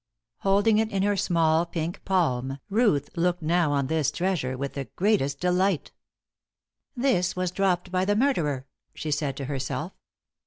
Holding it in her small pink palm, Ruth looked now on this treasure with the greatest delight. "This was dropped by the murderer," she said to herself.